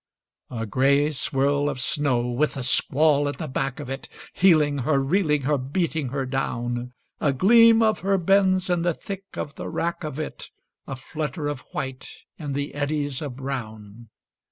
A grey swirl of snow with the squall at the back of it, Heeling her, reeling her, beating her down! A gleam of her bends in the thick of the wrack of it, A flutter of white in the eddies of brown.